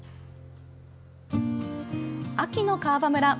秋の川場村。